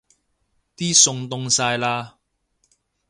啲餸凍晒喇